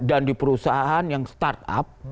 dan di perusahaan yang start up